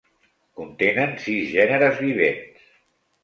Contenen sis gèneres vivents.